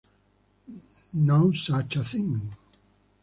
No Such Thing